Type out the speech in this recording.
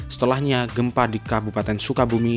setelahnya gempa di kabupaten sukabumi